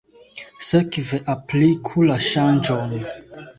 Sekve, apliku la ŝanĝon.